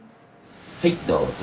はいどうぞ。